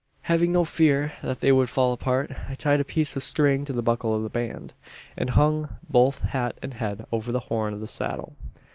"Having no fear that they would fall apart, I tied a piece of string to the buckle of the band; and hung both hat and head over the horn of the saddle.